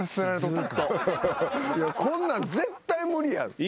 こんなん絶対無理や。